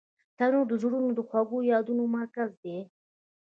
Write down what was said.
تنور د زړونو د خوږو یادونو مرکز دی